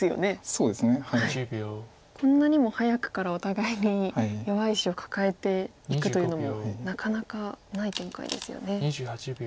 こんなにも早くからお互いに弱い石を抱えていくというのもなかなかない展開ですよね。